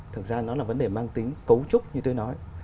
thực ra nó là vấn đề mang tính cấu trúc như tôi nói